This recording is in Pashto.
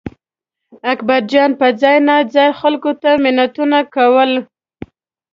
اکبرجان به ځای ناځای خلکو ته منتونه کول.